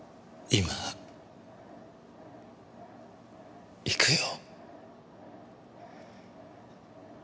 今行くよ。